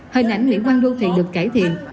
hình ảnh mỹ quan đô thị được cải thiện